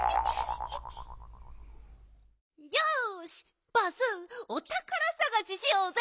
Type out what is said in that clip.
よしバースおたからさがししようぜ！